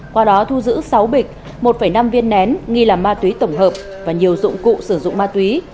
qua đó thu giữ sáu bịch một năm viên nén nghi là ma túy tổng hợp và nhiều dụng cụ sử dụng ma túy